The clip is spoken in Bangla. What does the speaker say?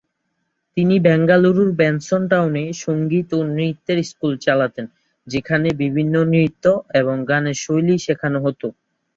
তিনি বেঙ্গালুরুর বেনসন টাউনে সংগীত ও নৃত্যের স্কুল চালাতেন, যেখানে বিভিন্ন নৃত্য এবং গানের শৈলী শেখানো হত।